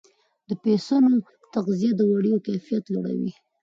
د پسونو تغذیه د وړیو کیفیت لوړوي.